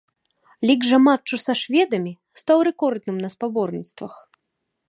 Лік жа матчу са шведамі стаў рэкордным на спаборніцтвах.